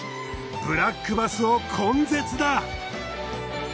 ブラックバスを根絶だ。